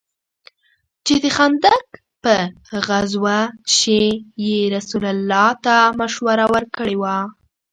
چې د خندق په غزوه كښې يې رسول الله ته مشوره وركړې وه.